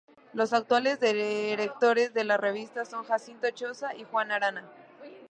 Los actuales directores de la revista son Jacinto Choza y Juan Arana.